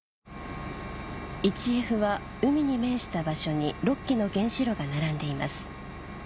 １Ｆは海に面した場所に６基の原子炉が並んでいます